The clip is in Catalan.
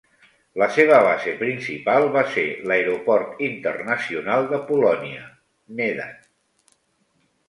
La seva base principal va ser l'aeroport internacional de Polònia, Medan.